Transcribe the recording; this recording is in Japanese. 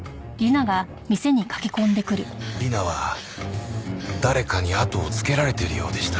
理奈は誰かにあとをつけられているようでした。